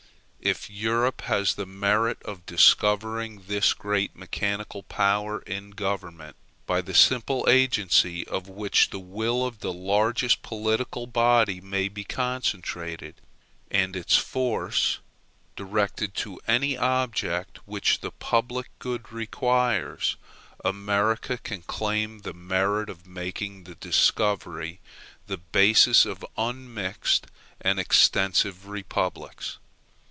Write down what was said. If Europe has the merit of discovering this great mechanical power in government, by the simple agency of which the will of the largest political body may be concentred, and its force directed to any object which the public good requires, America can claim the merit of making the discovery the basis of unmixed and extensive republics.